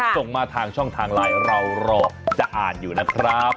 ส่งมาทางช่องทางไลน์เรารอจะอ่านอยู่นะครับ